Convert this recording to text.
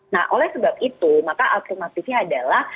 nah oleh sebab itu maka alternatifnya adalah